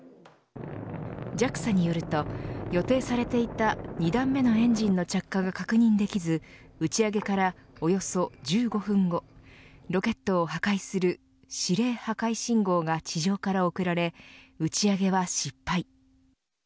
ＪＡＸＡによると予定されていた２段目のエンジンの着火が確認できず打ち上げからおよそ１５分後ロケットを破壊する指令破壊信号が地上から送られ打ち上げは失敗。